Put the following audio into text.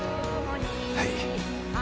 はい。